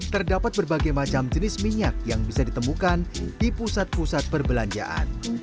terdapat berbagai macam jenis minyak yang bisa ditemukan di pusat pusat perbelanjaan